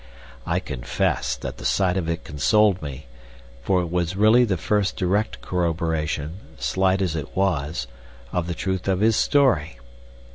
I confess that the sight of it consoled me, for it was really the first direct corroboration, slight as it was, of the truth of his story.